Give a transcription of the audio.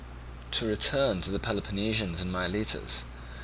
To return to the Peloponnesians in Miletus.